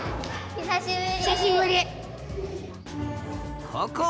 久しぶり！